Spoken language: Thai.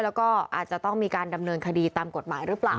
แล้วก็อาจจะต้องมีการดำเนินคดีตามกฎหมายหรือเปล่า